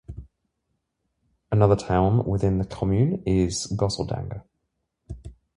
Another town within the commune is Gosseldange.